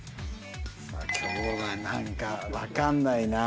今日はなんかわかんないな。